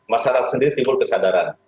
masyarakat sendiri timbul kesadaran